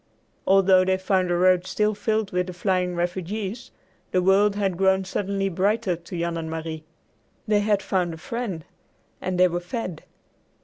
Although they found the road still filled with the flying refugees, the world had grown suddenly brighter to Jan and Marie. They had found a friend and they were fed.